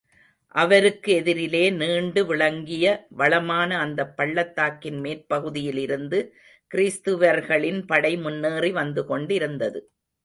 அவருக்கு எதிரிலே நீண்டு விளங்கிய வளமான அந்தப் பள்ளத்தாக்கின் மேற்பகுதியிலிருந்து கிறிஸ்துவர்களின் படை முன்னேறி வந்து கொண்டிருந்தது.